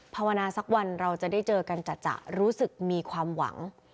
ภาวนาสักวันเราจะได้เจอกันจัดรู้สึกมีความหวัง